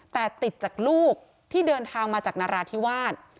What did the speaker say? แต่ติดจากลูกที่เดินทางมาจากนราธิวาส